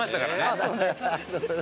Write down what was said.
そうね。